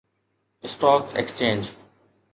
stock exchange